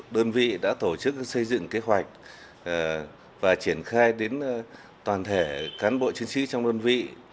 đơn vị đã tổ chức xây dựng kế hoạch và triển khai đến toàn thể cán bộ chiến sĩ trong đơn vị